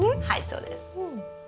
はいそうです。